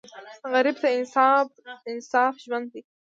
غریب ته انصاف ژوند دی